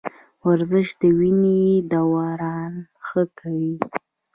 ورزش د وینې دوران ښه کوي.